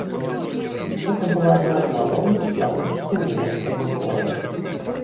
Гэта была адна з галоўных славутасцяў нямецкага горада.